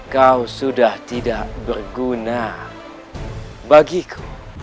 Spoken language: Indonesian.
kau sudah tidak berguna bagiku